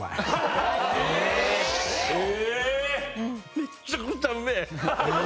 めっちゃくちゃうめぇ！